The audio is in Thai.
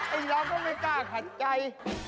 ไอ้ยาไม่กล้ากัดใจ